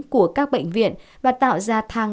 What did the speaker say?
của các bệnh viện và tạo ra thang